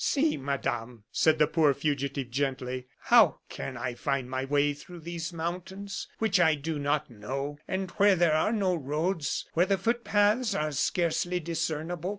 "See, Madame," said the poor fugitive gently, "how can I find my way through these mountains, which I do not know, and where there are no roads where the foot paths are scarcely discernible."